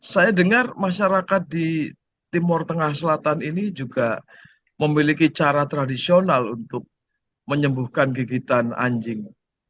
saya dengar masyarakat di timur tengah selatan ini juga memiliki cara tradisional untuk menyembuhkan gigitan anjing